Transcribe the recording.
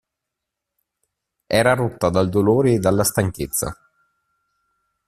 Era rotta dal dolore e dalla stanchezza.